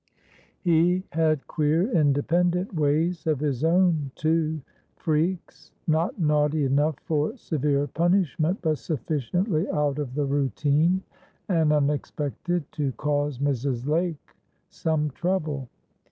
He had queer, independent ways of his own, too; freaks,—not naughty enough for severe punishment, but sufficiently out of the routine and unexpected to cause Mrs. Lake some trouble.